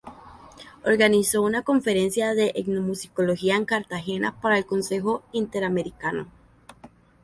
Organizó una conferencia de etnomusicología en Cartagena para el Consejo Interamericano.